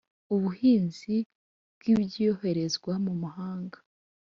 Ubuhinzi bwibyoherezwa mu mahanga.